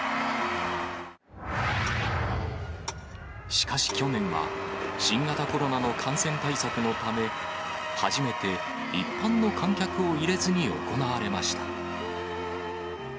しかし去年は、新型コロナの感染対策のため、初めて一般の観客を入れずに行われました。